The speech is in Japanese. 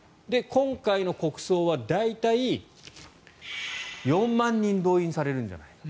今回の国葬は大体、４万人動員されるんじゃないか。